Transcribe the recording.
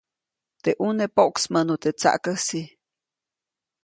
Teʼ ʼuneʼ poʼksmäʼnu teʼ tsaʼkäsi.